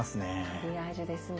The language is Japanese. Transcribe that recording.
マリアージュですね！